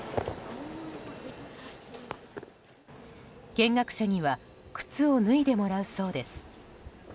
見学者には靴を脱いでもらうそうです。